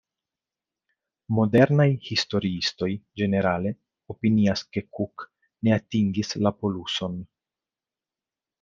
Modernaj historiistoj ĝenerale opinias, ke Cook ne atingis la poluson.